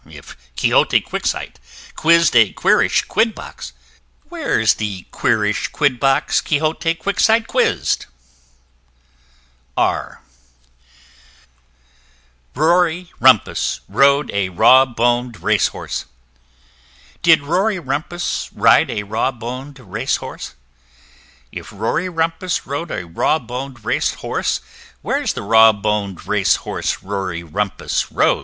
If Quixote Quicksight quiz'd a queerish Quidbox, Where's the queerish Quidbox Quixote Quicksight quiz'd? R r [Illustration: Rory Rumpus] Rory Rumpus rode a raw bon'd Race horse: Did Rory Rumpus ride a raw bon'd Race horse? If Rory Rumpus rode a raw bon'd Race horse, Where's the raw bon'd Race horse Rory Rumpus rode?